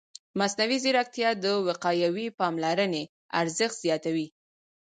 مصنوعي ځیرکتیا د وقایوي پاملرنې ارزښت زیاتوي.